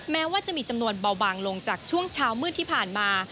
แม้ว่าจะมีจำนวนเบาบางลงจากช่วงเช้ามืดที่ผ่านมา